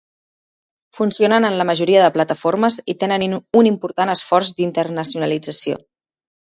Funcionen en la majoria de plataformes i tenen un important esforç d'internacionalització.